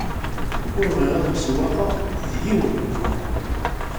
Ur bɣiɣ ad msewwaqeɣ d yiwen deg umaḍal.